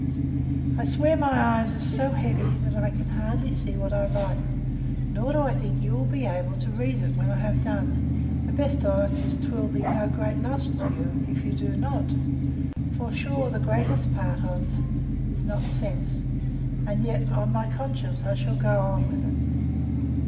I swear my eyes are so heavy that I hardly see what I write, nor do I think you will be able to read it when I have done; the best on't is 'twill be no great loss to you if you do not, for, sure, the greatest part on't is not sense, and yet on my conscience I shall go on with it.